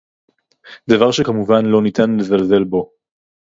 דבר שכמובן לא ניתן לזלזל בו